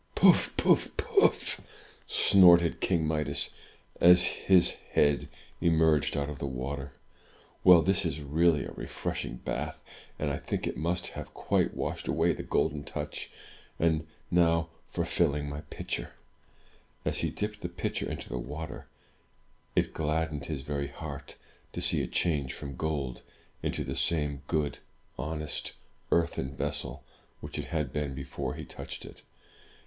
"Poof! poof! poof!" snorted King Midas, as his head emerged 287 MY BOOK HOUSE out of the water. "Well; this is really a refreshing bath, and I think it must have quite washed away the Golden Touch. And now for filling my pitcher!*' As he dipped the pitcher into the water, it gladdened his very heart to see it change from gold into the same good, honest earthen vessel which it had been before he touched it.